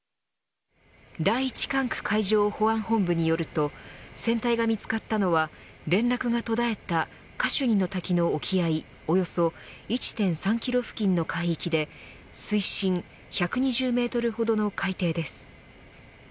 第一管区海上保安本部によると船体が見つかったのは連絡が途絶えたカシュニの滝の沖合およそ１．３キロ付近の海域で水深１２０メートルほどの海底です。